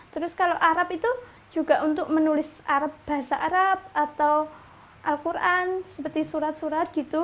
terus kalau arab itu juga untuk menulis bahasa arab atau al quran seperti surat surat gitu